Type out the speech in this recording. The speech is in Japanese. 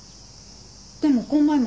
でもこん前まで